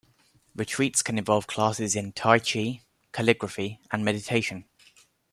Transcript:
Retreats can involve classes in t'ai chi, calligraphy and meditation.